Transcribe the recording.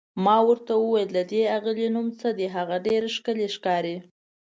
ما ورته وویل: د دې اغلې نوم څه دی، هغه ډېره ښکلې ښکاري؟